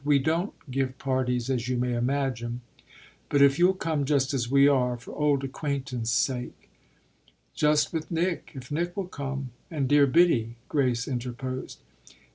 We don't give parties, as you may imagine, but if you'll come just as we are, for old acquaintance' sake " "Just with Nick if Nick will come and dear Biddy," Grace interposed.